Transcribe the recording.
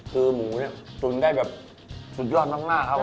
คือหมูเนี่ยตุ๋นได้แบบสุดยอดมากครับ